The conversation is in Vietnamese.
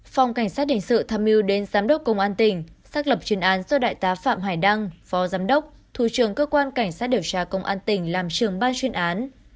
phòng cảnh sát hình sự tham mưu đến giám đốc công an tỉnh xác lập chuyên án do đại tá phạm hải đăng phó giám đốc thủ trưởng cơ quan cảnh sát điều tra công an tỉnh làm trường ban chuyên án